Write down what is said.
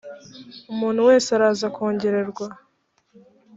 umuntu wese araza kongererwa.